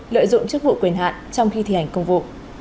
lợi dụng chức vụ quyền hạn trong khi thi hành công vụ